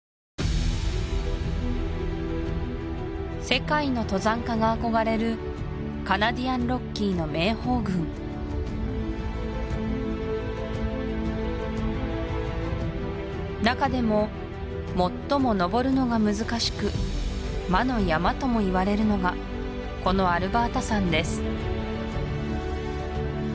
世界の登山家が憧れるカナディアンロッキーの名峰群中でも最も登るのが難しく魔の山ともいわれるのがこのアルバータ山です